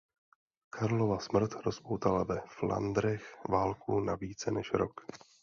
Karlova smrt rozpoutala ve Flandrech válku na více než rok.